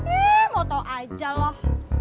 eh mau tau aja loh